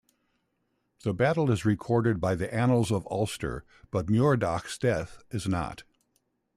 The battle is recorded by the Annals of Ulster, but Muiredach's death is not.